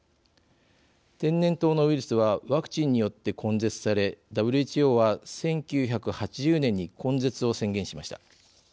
天然痘のウイルスはワクチンによって根絶されＷＨＯは、１９８０年に根絶を宣言しました。